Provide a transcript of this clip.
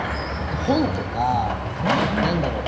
本とか何だろう